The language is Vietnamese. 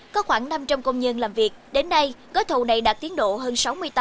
có khoảng năm trăm linh công nhân làm việc đến nay gói thầu này đạt tiến độ hơn sáu mươi tám